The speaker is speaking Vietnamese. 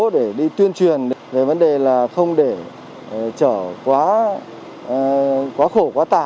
để đi tuyên truyền về vấn đề là không để trở quá khổ quá tả